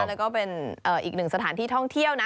แล้วก็เป็นอีกหนึ่งสถานที่ท่องเที่ยวนะ